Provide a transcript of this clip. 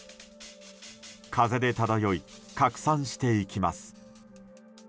風で漂い、拡散していきます。